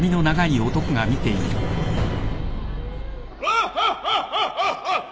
「ワハハハハハ。